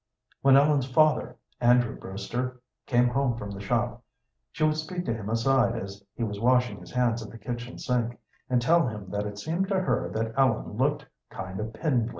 When Ellen's father, Andrew Brewster, came home from the shop, she would speak to him aside as he was washing his hands at the kitchen sink, and tell him that it seemed to her that Ellen looked kind of "pindlin'."